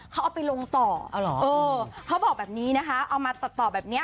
เขาเอาไปลงต่อเอาเหรอเออเขาบอกแบบนี้นะคะเอามาตัดต่อแบบเนี้ย